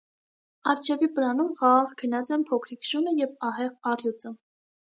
Առջևի պլանում խաղաղ քնած են փոքրիկ շունը և ահեղ առյուծը։